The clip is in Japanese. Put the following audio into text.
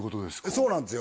そうなんですよ